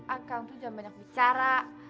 akang punya banyak bicara